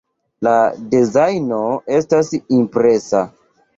La dezajno estas impresa.